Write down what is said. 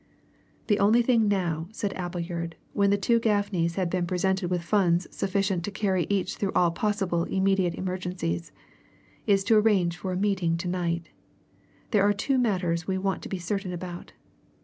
"The only thing now," said Appleyard, when the two Gaffneys had been presented with funds sufficient to carry each through all possible immediate emergencies, "is to arrange for a meeting to night. There are two matters we want to be certain about.